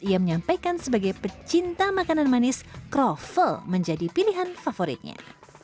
ia menyampaikan sebagai pecinta makanan manis kroffel menjadi pilihan favoritnya